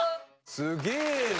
すげえな。